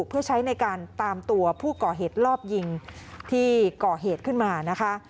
เพื่อใช้ในการตามตัวผู้ก่อเหตุรอบยิงที่ก่อเหตุขึ้นมานะคะ